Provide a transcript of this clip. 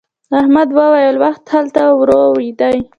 احمد وويل: وخت هلته ورو دی.